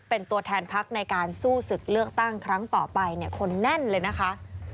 เป็นตัวแทนพักในการสู้ศึกเลือกตั้งครั้งต่อไปเนี่ยคนแน่นเลยนะคะ